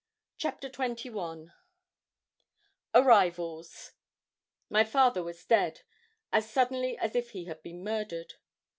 CHAPTER XXI ARRIVALS My father was dead as suddenly as if he had been murdered.